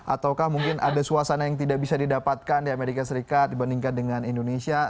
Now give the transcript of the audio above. ataukah mungkin ada suasana yang tidak bisa didapatkan di amerika serikat dibandingkan dengan indonesia